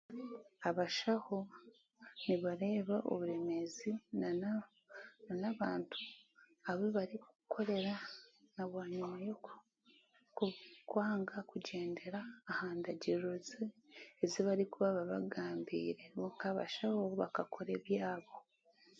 Abashaho nibareeba oburemeezi na n'abantu abu b'arikukorera ahabwanyima y'okwaanga kugendera aha ndagiriiro ezibarikuba b'abagambire bo nkabashaho bo bakakoora ebyaabo.